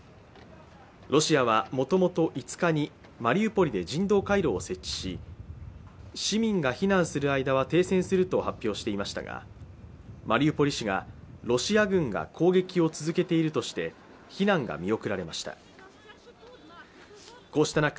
ロシアは、もともと５日にマリウポリで人道回廊を設置し、市民が避難する間は停戦すると発表していましたが、マリウポリ市がロシア軍が攻撃を続けているとして避難が見送られました。